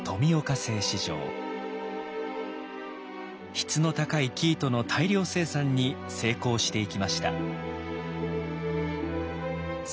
質の高い生糸の大量生産に成功していきました。